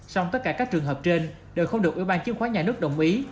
sau tất cả các trường hợp trên đều không được ủy ban chiếm khoán nhà nước đồng ý